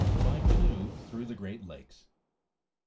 BY CANOE THROUGH THE GREAT LAKES.